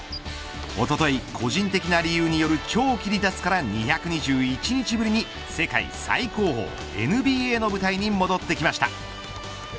おととい個人的な理由による長期離脱から２２１日ぶりに世界最高峰ＮＢＡの舞台に戻ってきました。